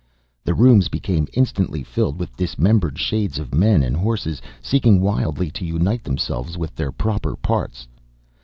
The rooms became instantly filled with dismembered shades of men and horses seeking wildly to unite themselves with their proper parts.